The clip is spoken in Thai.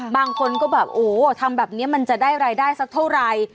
บางคนก็แบบโอ้ทำแบบนี้มันจะได้รายได้สักเท่าไหร่